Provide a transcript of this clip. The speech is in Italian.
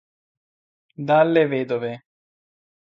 Dalle Vedove